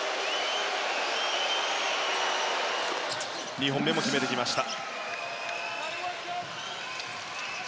２本目も決めてきました。